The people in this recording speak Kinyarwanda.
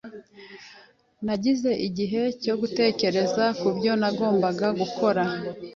Nagize igihe cyo gutekereza kubyo nagombaga gukora.